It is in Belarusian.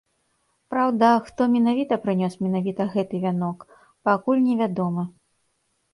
Праўда, хто менавіта прынёс менавіта гэты вянок, пакуль невядома.